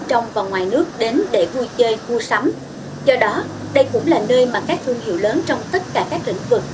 trong và ngoài nước đến để vui chơi mua sắm do đó đây cũng là nơi mà các thương hiệu lớn trong tất cả các lĩnh vực